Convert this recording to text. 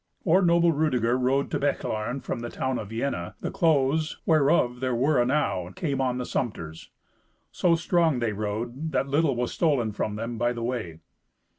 Or noble Rudeger rode to Bechlaren from the town of Vienna, the clothes, whereof there were enow, came on the sumpters. So strong they rode, that little was stolen from them by the way.